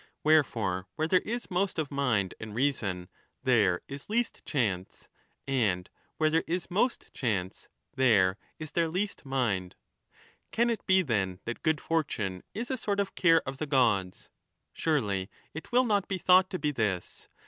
Wherefore, where there is most of mind and reason, there is least chance, and where there 5 is most chance, there is there least mind . Can it be, then, that good fortune is a sort of care of the :,^ods ? Surely it will not be thought to be this